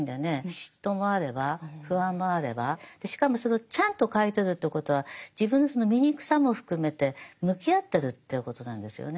嫉妬もあれば不安もあればしかもそれをちゃんと書いてるということは自分のその醜さも含めて向き合ってるっていうことなんですよね。